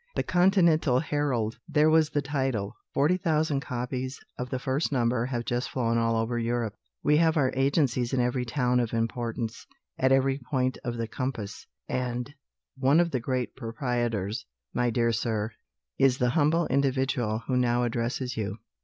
The "Continental Herald " there was the title. "Forty thousand copies of the first number have just flown all over Europe; we have our agencies in every town of importance, at every point of the compass; and, one of the great proprietors, my dear sir, is the humble individual who now addresses you."